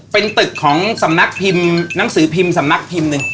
ปี้ป๋องน่าจะห๊างมาอาทิตย์นึง